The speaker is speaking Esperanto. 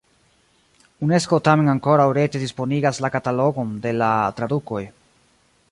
Unesko tamen ankoraŭ rete disponigas la katalogon de la tradukoj.